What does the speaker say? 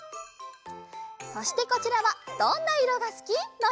そしてこちらは「どんな色がすき」のえ。